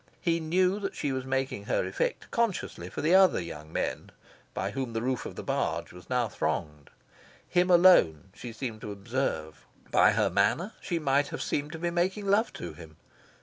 He knew that she was making her effect consciously for the other young men by whom the roof of the barge was now thronged. Him alone she seemed to observe. By her manner, she might have seemed to be making love to him.